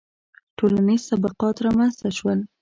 • ټولنیز طبقات رامنځته شول.